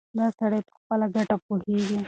دا سړی په خپله ګټه پوهېږي.